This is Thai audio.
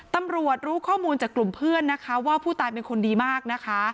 รู้ข้อมูลจากกลุ่มเพื่อนนะคะว่าผู้ตายเป็นคนดีมากนะคะ